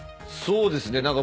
そうですね。